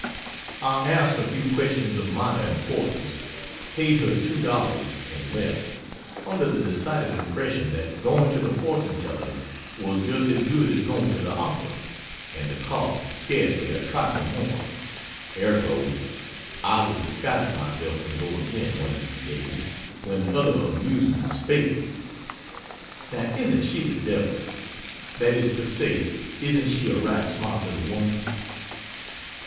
I asked a few questions of minor importance paid her $2 and left, under the decided impression that going to the fortune teller's was just as good as going to the opera, and the cost scarcely a trifle more ergo, I will disguise myself and go again, one of these days, when other amusements fail. Now isn't she the devil? That is to say, isn't she a right smart little woman?